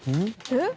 「えっ？」